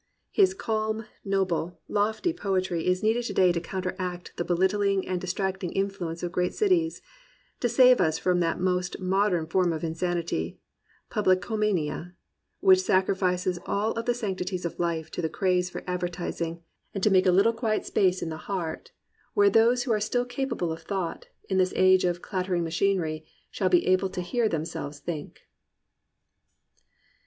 His calm, noble, lofty poetry is needed today to counteract the belittling and distracting influence of great cities ; to save us from that most modern form of insanity, publicomania, which sacrifices all the sanctities of life to the craze for advertising; and to make a little quiet space in COMPANIONABLE BOOKS the heart, where those who are still capable of thought, in this age of clattering machinery, shall be able to hear themselves think.